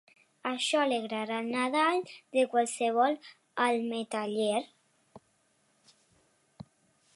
Això alegrarà el Nadal de qualsevol "alt-metaller".